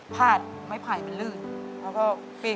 พาดไม่ผ่ายเป็นลื่น